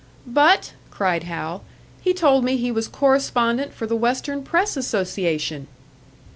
"But," cried Hal, "he told me he was correspondent for the Western press association!"